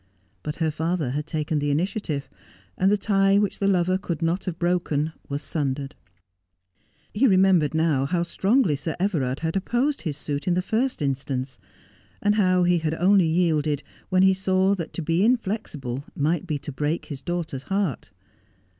But her father had taken the initiative, and the tie which the lover could not have broken was sundered. He remembered now how strongly Sir Everard had opposed his suit in the find, insta/ice, and how he had only yielded when he saw that to be inflexible might be to break his daughter's heart.